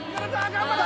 頑張れ！